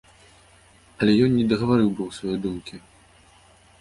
Але ён не дагаварыў быў сваёй думкі.